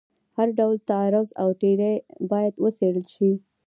هر ډول تعرض او تیری باید وڅېړل شي.